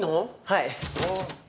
はい。